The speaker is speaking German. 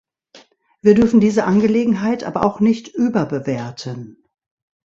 Wir dürfen diese Angelegenheit aber auch nicht überbewerten.